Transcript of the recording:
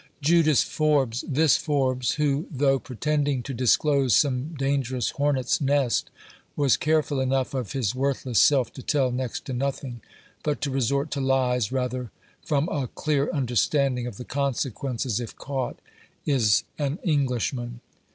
" JUDAS " FORBES. This Forbes, who, though pretending to disclose some dan gerous hornet's nest, was careful enough of his worthless self to tell next to nothing, but to resort to lies, rather from a clear understanding of the consequences, if caught, is an Englishman.